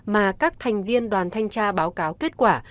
mà các thành viên đoàn thanh tra báo cáo kết quả